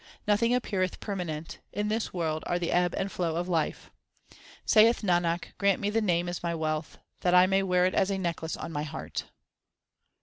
Nothing appeareth per manent ; in this world are the ebb and flow of life. Saith Nanak, grant me the Name as my wealth, that I may wear it as a necklace on my heart.